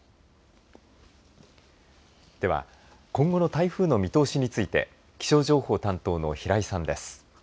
では、今後の台風の見通しについて気象情報担当の平井さんです。